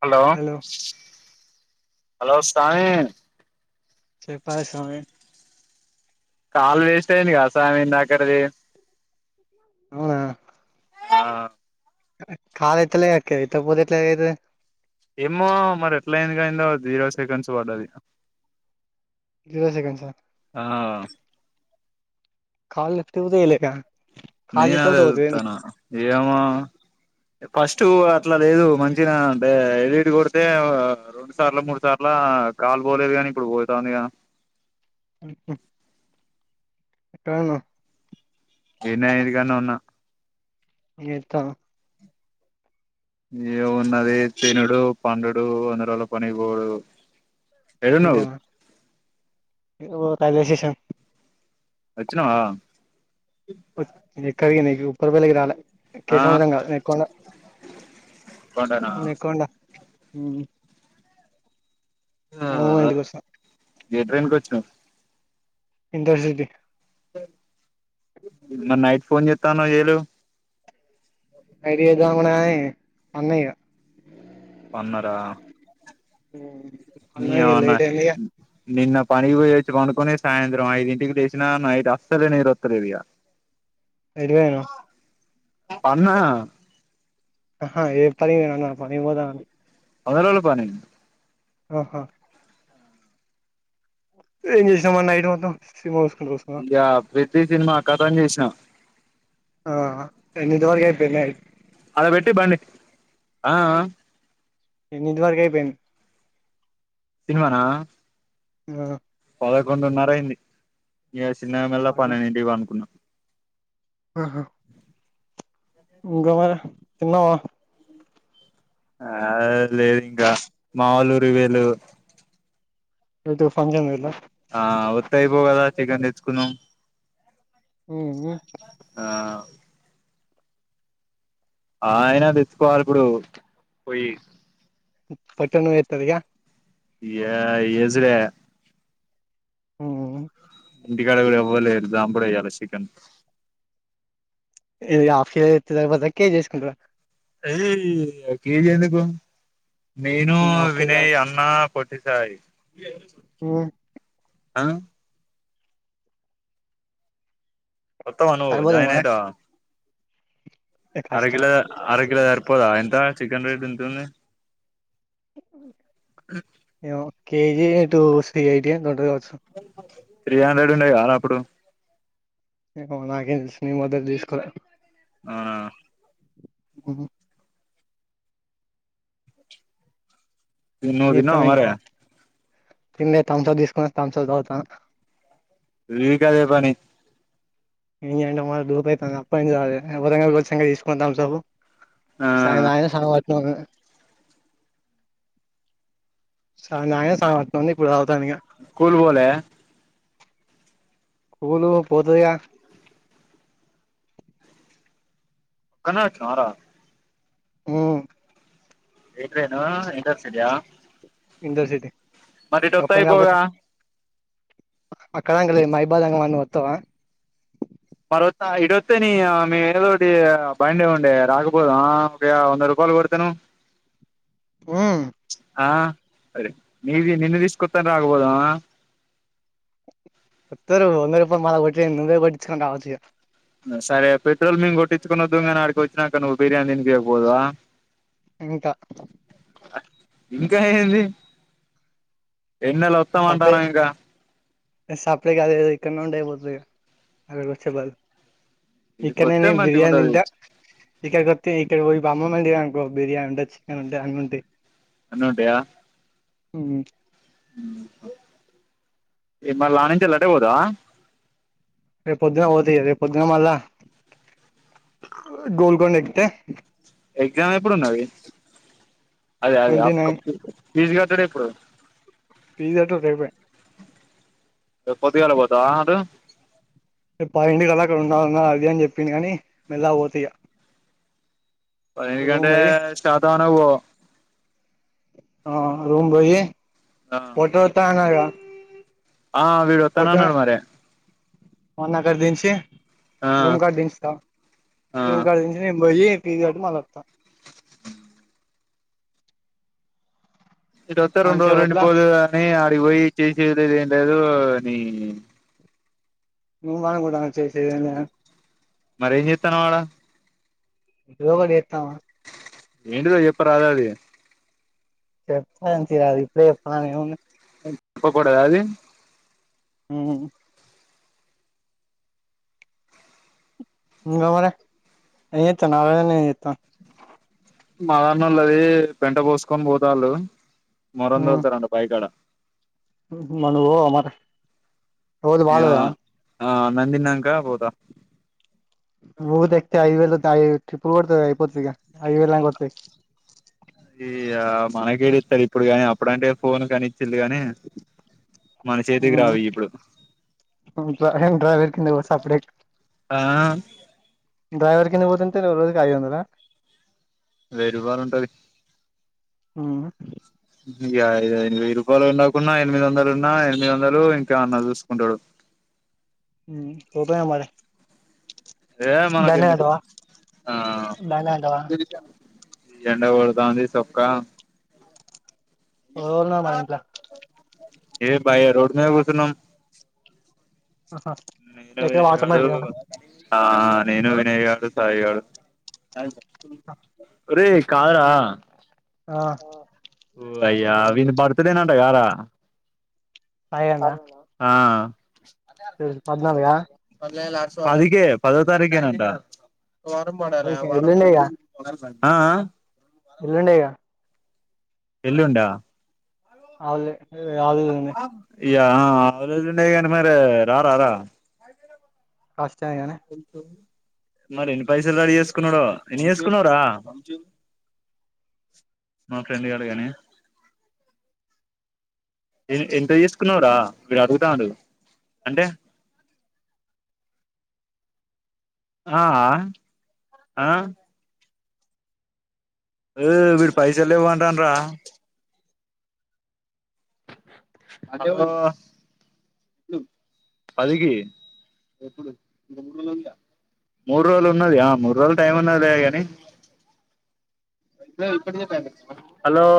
Hello hello స్వామీ చెప్పాలి స్వామి కాళ్లు వేస్ట్ అయింది కద స్వామి ఇందాకటిది అవునా ఆ కాల్ ఎత్తలే ఎతకపోతె ఎట్లయితే ఏమో మరి ఎట్లా అయింది గయిందో జీరో సెకండ్స్ పడ్డది ఇరవై సెకండ్సా ఆ కాల్ లిఫ్ట్ కుడా చేయలేగా. నేను అదే చూత్తన్నా ఏమో ఫస్ట్ అట్లా లేదు మంచిగనే అంటే ఎడిట్ కొడితే రెండు సార్ల మూడు సార్ల కాల్ పోలేదు గాని ఇప్పుడు పోతాందిగా. ఎక్కడున్నవు? గీన్నే ఇంటికాడనే ఉన్నా. ఏత్తా. ఏం ఉన్నది తినుడు, పండుడు, వంద రోజుల పనికిపోవుడు. అంతేనా ఇగపో రైల్వేస్టేషన్ వచ్చినవా? నేను ఎక్కడికి నీకు ఉప్పర్ పెళ్లికి రాలే. ఆ కేసముద్రం కాదు నెక్కొండా కొండనా నెక్కొండా. అమ్మమ్మ వాళ్లింటికి వచ్చినా. ఏ ట్రైన్కి వచ్చినవు. ఇంటర్సిటీ మరి నైట్ ఫోన్ చెత్తాన్నవు చెయ్యలేవు. నైట్ చేద్దాం అనుకున్నకాని పన్న ఇగ. పన్నరా అన్న నీ ఇగ అవ్వ నా లేట్ అయింది ఇగ నిన్న పనికి పోయచ్చి పండుకుని సాయంత్రం ఐదుంటికి లేసినా నైట్ అస్సలేే నిద్రోత్తలేదు ఇగ. ఎటు పోయినవు. పన్నా. ఆహా ఏం పనికి పోయినవన్నా పనికిపోతన్నా వంద రోజుల పని. ఆహా ఏం చేసినవు మరి నైట్ మొత్తం సినిమా చూసుకుంట కూస్ ఇగ పెద్ది సినిమా కథం చేశినా. ఆహా ఎన్నిటి వరకు అయిపోయింది నైట్. ఆడ పెట్టి బండి ఆ ఆ. ఎన్నింటి వరకు అయిపోయింది. సినిమానా? ఆ పదకొండున్నర అయ్యింది. ఇగ చిన్నగ మెల్లగా పన్నెండింటికి పండునుకున్నా. ఆహా ఇంకా [unintelligible] తిన్నవా? ఆ లేదు ఇంగా మా వోళ్ళు ఊరికి పోయిళ్ళు. ఎటు ఫంక్షన్కి పోయిళ్ళా. ఆ వత్తే అయిపోవు కదా చికెన్ తెచ్చుకున్నం. ఉమ్ ఆ ఆ అయినా తెచ్చుకోవాలి ఇప్పుడు పోయ్యి. పట్టనే ఏత్తదిగా ఏ ఏసుడే. హ్ ఇంటికాడ గుడ ఎవ్వడ్ లేడు, దంపుడే ఉయ్యాల సికన్. ఇది ఆఫ్ కేజి ఎత్తే జరిపోతద? కేజి ఏసుకుంట్ర? ఎదీ కేజి ఎందుకు? నేనూ, హాఫ్ కేజీ చాలు వినయ్, అ ఆ పొట్టి సాయి ఊహ్ ఆ ఒత్తవా నువ్వు సరిపోతదా జాయిన్ మరి ఐతవా? కష్టమే అరకిలా అరకిలో జరిపోదా? ఎంతా? చికెన్ రేట్ ఎంతుంది? ఏమో! కేజీ టూ సి ఐ టి ఏందో ఉంటది గావచ్చు. త్రీ హండ్రెడ్ ఉండేది గాన్నా అప్పుడు? ఏమో మరి, నాకేం దెలుసు నేన్ మాదర్ దీసుకోలె. అవునా ఉహు నువ్వు ఏక్ తిన్నావా మరి తమింగవా ఏం లేద్ థమ్స్ అప్ దీసుకొన్న, థమ్స్ అప్ దాకుతాన్న. వీక్ అదే పని ఎందుకంటే మాకు దూపయితాంది. అప్పటికీ తాగలే. ఎవ్వరైనా బోల్సింగ జేసుకొండి తంబ్సపు. ఆ సాయి దాగిన, సగం అట్లనే ఉన్నది. సగం దాగిన, సగం అట్లనె ఉంది, ఇప్పుడు దాగుతాన్న ఇగ. కూల్ బోలే? కూలూ పోతదిగా ఒక్కనివే అచ్చినవారా? ఊ ఏ ట్రేనూ? ఇంటర్ సిటా? ఇంటర్ సిటి ఇటొత్తే ఒక్కని అయిపోవుగా గాకపోతె అక్కడా అంగడి లేదు. మైబాదు అంగడన్న నువ్ వొత్తవా? మరొత్తా ఇటొత్తే నీ యా మే ఏదోటీ బండి ఉండే రాకపోదుమా? దే వంద రూపాలు గొడితె నువ్ ఆ నీది నిన్ను దీసుకొత్తెనె రాకబోదుమా? ఒత్తరూ వంద రూపాయల మాలా గొట్టుడేంది నువ్వే గొట్టిచ్చుకొని రావచ్చు ఇగ. ఆ సరే, పెట్రోల్ మేం గొట్టిచ్చుకొని ఒద్దుము గని ఆడికి ఒచ్చినాక, నువు బిర్యాని దినిపియ్యక పోదువా? ఇంతా ఇంకా ఏంది? ఎన్నల ఒత్తాం అంటానం ఇంకా. గ సప్పుడేక అదేదో ఇక్కన్నే ఉంటే అయిపోతది గద, అక్కడికి ఒచ్చే బదులు. ఈడికి ఇక్కన్నే వస్తే నేన్ మంచిగా బిర్యాని ఉంటది దింటా. ఇక్కడ కొత్తే ఇటెవ్వరికి బమ్మళ్ ఉండి అనుకో బిర్యాని ఉండచ్చు. చికెన్ ఉంటది. అన్ని ఉంటయి. అన్ని ఉంటయా? ఊ ఇగ్ మల్లా ఆనించెల్లి అటే బోతవా? రేపు పొద్దున బోత ఇగ. రేపు పొద్దున మళ్ళా గోల్కొండ ఎక్కితే ఎగ్జామ్ ఎప్పుడున్నది? అదే అదే ట్వంటీ ఆప్ నైన్ కప్పూ ఫీజు కట్టుడు ఎప్పుడు? ఫీజు గట్టుడు అయిపాయే. రేప్ పొద్దుగాల బోతవా అటూ? రేప్ పదింటికల్లా అక్కడ ఉండాలన్నర్ అది అని జెప్పిండు గనీ, మెల్లగ బోత ఇగ. రూమ్ పదింటికంటే పోయి శాతవాహనకు బో. ఆ రూమ్ బొయ్యి ఆ వాతోవత అనధిక [unintelligible] ఆ విడు ఫట మన్నాక దంచి ఆ [unintelligible] రూమ్ కట్ దంచా ఆ రూమ్ కంచి నే పోయి ఫీజ్ కట్టి మళ్ళ వస్తా [unintelligible] ఇటు వత్తే రెండురోజులు ఉండి అంతసేపట్ల పోదు అని ఆడికి పోయి చేసేది ఏం లేదు అని ఉ అనకుండా చేసేది ఏం లేదు మరే ఎం చేత్తనావు ఆడ ఏదోకటి చెత్తవా ఏంటిదొ చెప్పారాదు అది చెప్తాతి అది ఇప్పుడే చెప్పాలని ఎంఉంది చెప్పకూడద అది [unintelligible] ఉహు ఇంకా మరి ఎంచెత్తనావు ఆడ ఉండి ఎంచెత్తవు మాదాన్నల్లోది పెంట పోసుకొని పోతళ్ళు మోరం తోలుతారంట బాయికాడ మన అమాట [unintelligible] ఏమో ఆ అన్నం తిన్నక బోతా ఊ ద ఎక్తే ఐ వేల ఐ ట్రిపుల్ కొతది ఐపోర్ ఐ వేల కొత [unintelligible] ఇగ మనకేడి ఇస్తారు ఇప్పుడు కాని అప్పుడంటే ఫోన్ కానిచ్చింది కాని మన చేతికి ఉహు రావు ఇప్పుడు అబ్బ హెహె డైవర్ కింద పో సప్పుడేక ఆ డ్రైవర్ కింద పోతుంటే రోజుకి ఐదువందల వేయి రూపాయలు ఉంటది ఉ ఇగ ఐదు ఐదు వెయ్యి రూపాయలు ఉన్నాకున్నా ఎనిమిది వందలు ఉన్నా ఎనిమిది వందలు ఇంకా ఎమన్నా చూసుకుంటాడు ఉ పొకపొయినవు మరి ఏ దాన్నే మనకెందుకు తింటావా ఆ దాన్నే తింటావా ఎండకొడతాంది సొక్కా ఓల్నా మందలా [unintelligible] ఏ బాయీ రోడ్ మీద కూసున్నం ఆహా ఎక్కడ వాటర్ ఎడు మిలన్ కదా [unintelligible] ఆ నేను, వినయ్ గాడు, సాయి గాడు అ ఓరేయి కాద్రా ఆ ఓ అయ్యా వీని బర్త్డే నట గారా సాయిగాడినా ఆ పద్నాలుగా పదికే పదో తారీఖేనంటా ఎల్లుండే అ అ ఎల్లుండె కదా ఎల్లుండా అవులే ఇగ హాలిడేస్ ఉండే కానీ మరి రా రారా వస్తాయి కని కొ మరి ఎన్ని పైసలు రడి చేసుకున్నాడో ఎన్ని చేసుకున్నవురా మా ఫ్రెండ్ గాడు గానీ ఎంత చేసుకున్నావురా వీడు అడుగుతాడు అంటే ఆ ఆ ఏ వీడు పైసల్ లేవు అంటాడు రా అ పదికి డు మూడు రోజులు ఉన్నది ఆ మూడు రోజులు టైం ఉన్నదిలే కానీ హలో